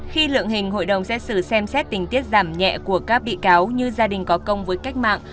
khi lượng hình hội đồng xét xử xem xét tình tiết giảm nhẹ của các bị cáo như gia đình có công với cách mạng